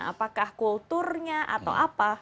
apakah kulturnya atau apa